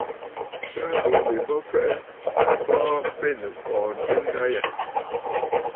Taà bô ǹdè fɛʼɛ, bɔɔ bênə̀ ŋ̀kɔɔntə nda yâ.